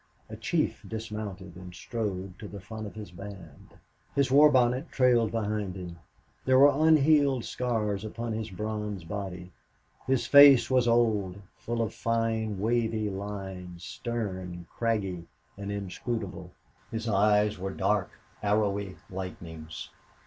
A chief dismounted and strode to the front of his band. His war bonnet trailed behind him; there were unhealed scars upon his bronze body; his face was old, full of fine, wavy lines, stern, craggy, and inscrutable; his eyes were dark, arrowy lightnings.